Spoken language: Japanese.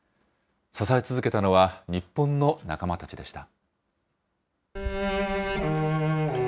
支え続けたのは日本の仲間たちでした。